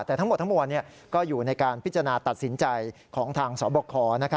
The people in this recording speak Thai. แต่ทั้งหมดทั้งมวลก็อยู่ในการพิจารณาตัดสินใจของทางสบค